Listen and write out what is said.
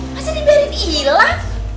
masa dibiarin ilang